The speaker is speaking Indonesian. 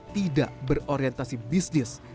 tidak berorientasi bisnis